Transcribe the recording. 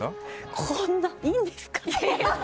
こんないいんですか？